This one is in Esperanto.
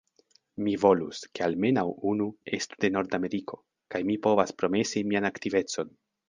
Mi volus, ke almenaŭ unu estu de Nordameriko, kaj mi povas promesi mian aktivecon.